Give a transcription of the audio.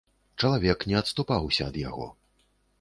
Чалавек не адступаўся ад яго.